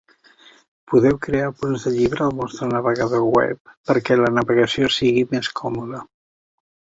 Podeu crear punts de llibre al vostre navegador web perquè la navegació sigui més còmoda.